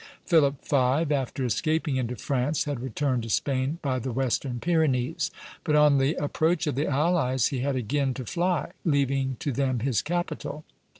Philip V., after escaping into France, had returned to Spain by the western Pyrenees; but on the approach of the allies he had again to fly, leaving to them his capital.